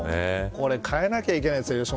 これ変えなきゃいけないですね。